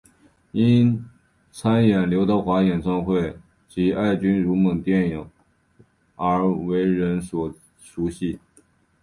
因参演刘德华演唱会及爱君如梦电影而为人所熟悉。